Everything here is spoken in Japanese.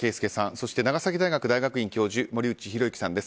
そして長崎大学大学院教授森内浩幸さんです。